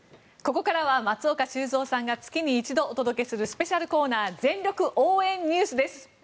ここからは松岡修造さんが月に一度お届けするスペシャルコーナー全力応援ＮＥＷＳです。